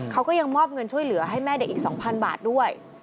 เขาก็ยังมอบเงินช่วยเหลือให้แม่เด็กอีก๒๐๐บาทด้วย